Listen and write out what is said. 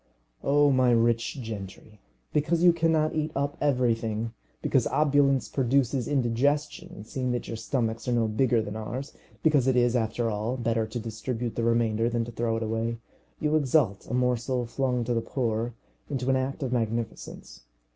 O my rich gentry, because you cannot eat up everything, because opulence produces indigestion seeing that your stomachs are no bigger than ours, because it is, after all, better to distribute the remainder than to throw it away, you exalt a morsel flung to the poor into an act of magnificence.